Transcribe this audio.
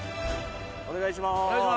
お願いします。